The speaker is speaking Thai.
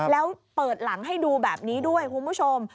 แล้วเปิดหลังให้ดูแบบนี้ด้วยคุณผู้ชม